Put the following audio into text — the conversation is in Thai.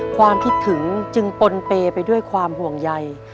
ความคิดถึงจึงปนเปย์ไปด้วยความห่วงใย